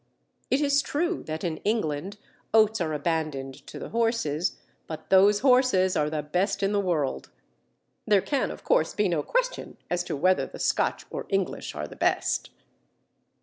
It is true that in England oats are abandoned to the horses, but those horses are the best in the world. There can, of course, be no question as to whether the Scotch or English are the best!